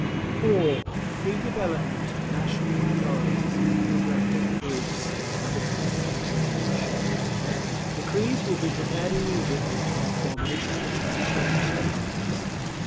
(4) The free development of national minorities and ethnographic groups inhabiting the territory of Russia. Decrees will be prepared immediately upon the formation of a Commission on Nationalities.